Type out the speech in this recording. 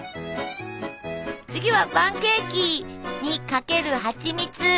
次はパンケーキにかけるはちみつ！